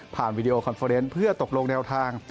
ผ่านวิดีโอคอนเฟอร์เรนต์เพื่อตกลงแนวทาง